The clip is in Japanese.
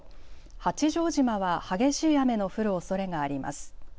八丈島は激しい雨の降るおそれがあります。